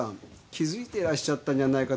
気づいてらっしゃったんじゃないかと思って。